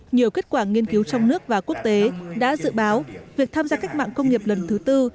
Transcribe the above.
nhiều kết quả nghiên cứu trong nước và quốc tế đã dự báo việc tham gia cách mạng công nghiệp lần thứ tư